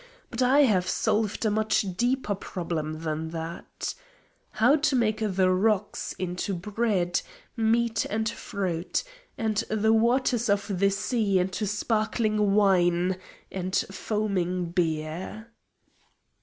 But I have solved a much deeper problem than that how to make the rocks into bread, meat and fruit, and the waters of the sea into sparkling wine and foaming beer."